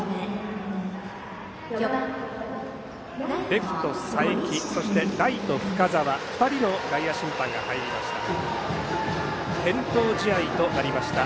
レフト、佐伯ライト、深沢２人の外野審判が入りました。